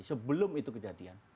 sebelum itu kejadian